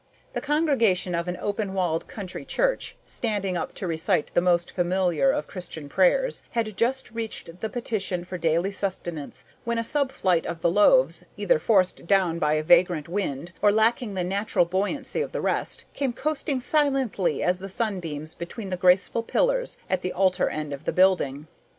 The congregation of an open walled country church, standing up to recite the most familiar of Christian prayers, had just reached the petition for daily sustenance, when a sub flight of the loaves, either forced down by a vagrant wind or lacking the natural buoyancy of the rest, came coasting silently as the sunbeams between the graceful pillars at the altar end of the building.